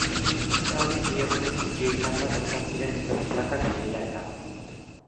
Pista hori bi egunez itxia izan da bertan ziren izotz-plakak direla eta.